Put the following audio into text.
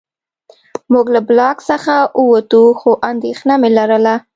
موږ له بلاک څخه ووتو خو اندېښنه مې لرله